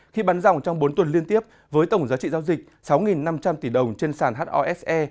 khi bán dòng trong bốn tuần liên tiếp với tổng giá trị giao dịch sáu năm trăm linh tỷ đồng trên sàn hose